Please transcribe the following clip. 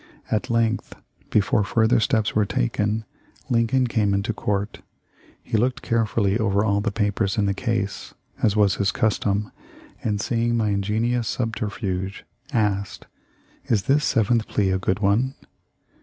At length, before further steps were taken, Lincoln came into court. He looked carefully over all the papers in the case, as was his custom, and seeing my engenious subterfuge, asked, "Is this seventh plea a good one?"